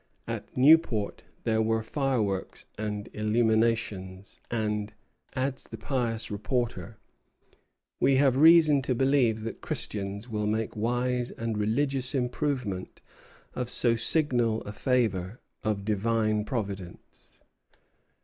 At Newport there were fireworks and illuminations; and, adds the pious reporter, "We have reason to believe that Christians will make wise and religious improvement of so signal a favor of Divine Providence."